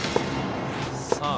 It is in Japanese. さあ